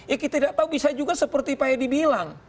ya kita tidak tahu bisa juga seperti pak edi bilang